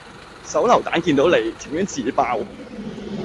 手榴彈見到你，情願自爆